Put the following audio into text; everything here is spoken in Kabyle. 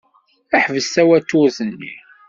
Ḥbes tawaturt-nni!